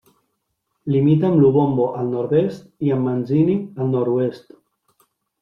Limita amb Lubombo al nord-est i amb Manzini al nord-oest.